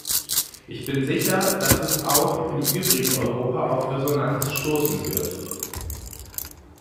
Ich bin sicher, dass es auch im übrigen Europa auf Resonanz stoßen wird.